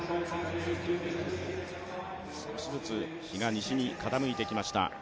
少しずつ日が西に傾いてきました。